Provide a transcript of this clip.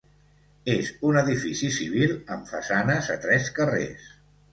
És un edifici civil amb façanes a tres carrers.